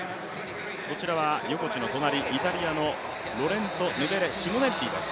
こちらは横地の隣、イタリアのロレンツォヌデレ・シモネッリです。